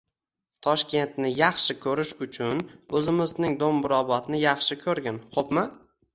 Toshkentni yaxshi ko‘rish uchun o‘zimizning Do‘mbrobodni yaxshi ko‘rgin, xo‘pmi?